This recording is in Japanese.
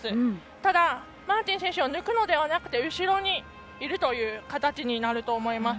ただ、マーティン選手を抜くのではなくて後ろにいるという形になります。